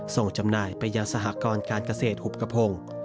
จำหน่ายไปยังสหกรการเกษตรหุบกระพง